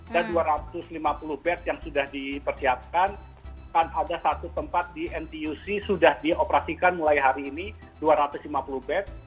dan dua ratus lima puluh bed yang sudah dipersiapkan ada satu tempat di ntuc sudah dioperasikan mulai hari ini dua ratus lima puluh bed